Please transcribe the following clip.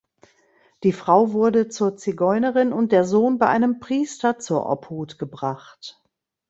Die Frau wurde zur Zigeunerin und der Sohn bei einem Priester zur Obhut gebracht.